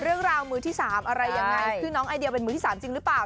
เรื่องราวมือที่๓อะไรยังไงชื่อน้องไอเดียเป็นมือที่๓จริงหรือเปล่า